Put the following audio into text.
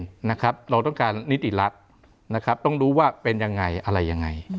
เราต้องการนิติรัฐนะครับต้องรู้ว่าเป็นยังไงอะไรยังไง